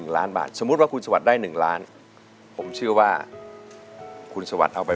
ล้านบาทสมมุติว่าคุณสวรรค์ได้๑ล้านผมเชื่อว่าคุณสวรรค์ไป